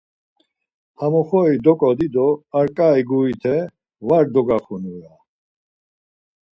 Ham oxori doǩodi do ar ǩai gurite var dogaxunua-aa…